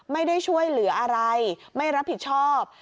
ไม่ได้ช่วยเหลืออะไรไม่รับผิดชอบ